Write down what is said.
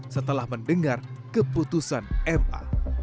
setelah mendengar keputusan ma